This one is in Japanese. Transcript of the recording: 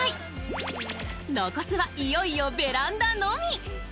残すはいよいよベランダのみ。